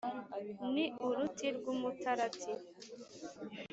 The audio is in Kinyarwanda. Ni uruti rw'umutarati